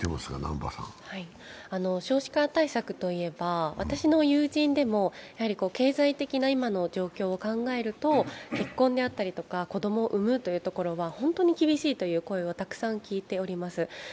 少子化対策と言えば、私の友人でも経済的な今の状況を考えると、結婚であったりとか子供を産むというのは本当に厳しいという声をたくさん聞いております。